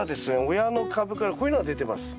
親の株からこういうのが出てます。